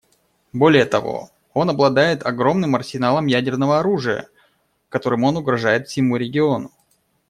Более того, он обладает огромным арсеналом ядерного оружия, которым он угрожает всему региону.